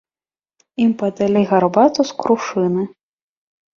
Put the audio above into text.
Ім падалі гарбату з крушыны.